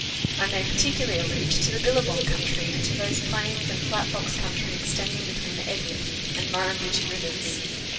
I may particularly allude to the Billabong country, and to those plains and flat box country extending between the Edward and Murrumbidgee rivers.